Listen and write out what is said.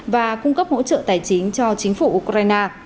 và cung cấp hỗ trợ tài chính cho chính phủ ukraine